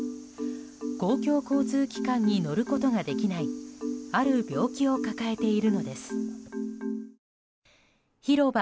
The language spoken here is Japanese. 公共交通機関に乗ることができないある病気を抱えているのです。